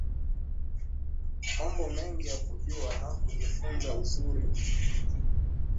mambo mengi ya kujua na kujifunza Uzuri wa maeneo haya ukitaka kutembelea wala hata